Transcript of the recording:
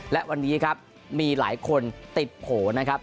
และวันนี้ครับมีหลายคนติดโผล่นะครับ